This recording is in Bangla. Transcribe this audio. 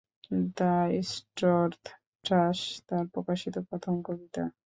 দ্য স্টর্ম থ্রাশ তার প্রকাশিত প্রথম কবিতা ছিল।